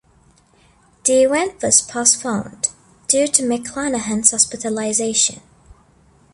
The event was postponed due to McClanahan's hospitalization.